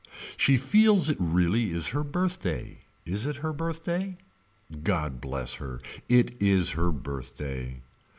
She feels it really is her birthday. Is it her birthday. God bless her it is her birthday.